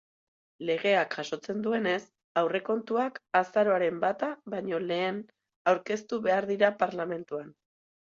Legeak jasotzen duenez, aurrekontuak azaroaren bata baino lehen aurkeztu behar dira parlamentuan.